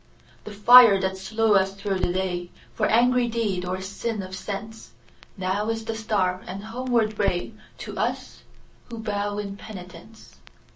The fire that slew us through the dayFor angry deed or sin of senseNow is the star and homeward rayTo us who bow in penitence.